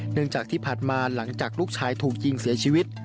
จากที่ผ่านมาหลังจากลูกชายถูกยิงเสียชีวิต